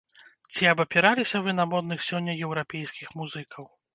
Ці абапіраліся вы на модных сёння еўрапейскіх музыкаў?